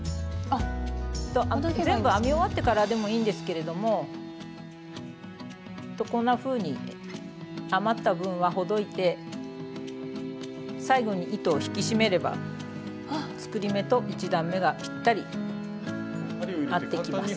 全部編み終わってからでもいいんですけれどもこんなふうに余った分はほどいて最後に糸を引き締めれば作り目と１段めがぴったり合ってきます。